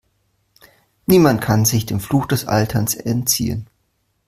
Niemand kann sich dem Fluch des Alterns entziehen.